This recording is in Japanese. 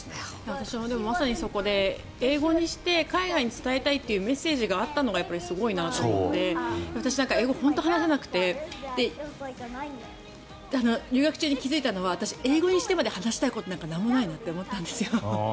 私もまさにそこで英語にして海外に伝えたいというメッセージがあったのがやっぱりすごいなと思って私なんか本当に英語、話せなくて留学中に気付いたのは私、英語にしてまで話したいことは何もないなと思ったんです。